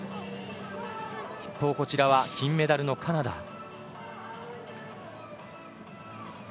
一方、こちらは金メダルのカナダ。